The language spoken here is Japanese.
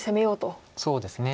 そうですね。